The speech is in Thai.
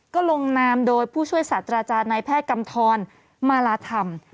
ก็ลงนามโดยผู้ช่วยศาสตราจารย์นายแพทย์กำทรมาลาธรรม